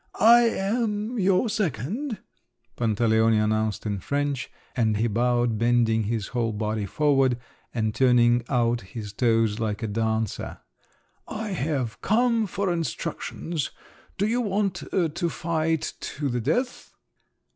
"I am your second," Pantaleone announced in French, and he bowed bending his whole body forward, and turning out his toes like a dancer. "I have come for instructions. Do you want to fight to the death?"